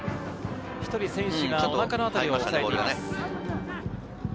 １人、選手がおなかの辺りを押さえています。